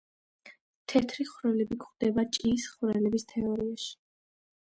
თეთრი ხვრელები გვხვდება ჭიის ხვრელების თეორიაში.